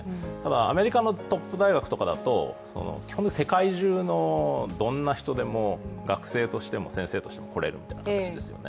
アメリカのトップ大学とかだと、基本的に世界中のどんな人でも学生としても先生としても来られる形ですよね。